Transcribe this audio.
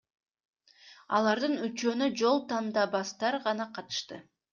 Алардын үчөөнө жол тандабастар гана катышты.